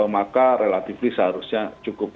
maka relatif ini seharusnya cukup